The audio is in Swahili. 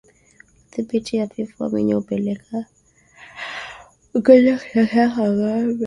Udhibiti hafifu wa minyoo hupelekea ugonjwa kutokea kwa ngombe